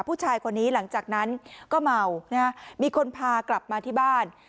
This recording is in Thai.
ผู้ชายคนนี้หลังจากนั้นก็เมานะฮะมีคนพากลับมาที่บ้าน